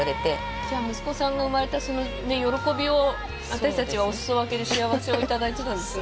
じゃあ、息子さんが生まれたその喜びを、私たちはお裾分けで幸せをいただいてたんですね。